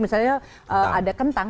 misalnya ada kentang